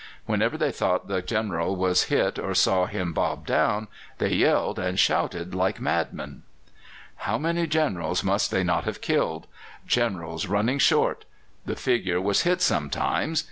Whenever they thought the General was hit or saw him bob down, they yelled and shouted like madmen. How many Generals must they not have killed! Generals running short! The figure was hit sometimes.